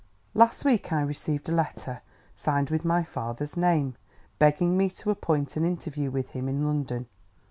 "Last week I received a letter, signed with my father's name, begging me to appoint an interview with him in London.